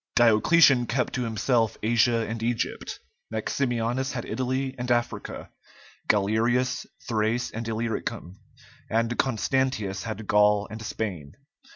Diocletian kept to himself Asia and Egypt; Maximianus had Italy and Africa; Galerius, Thrace and Illyricum; and Constantius had Gaul and Spain.